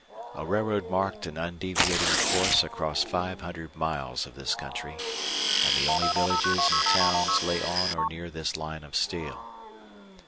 A railroad marked an undeviating course across five hundred miles of this country, and the only villages and towns lay on or near this line of steel.